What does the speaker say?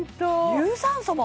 有酸素も？